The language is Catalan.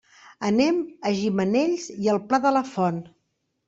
Anem a Gimenells i el Pla de la Font.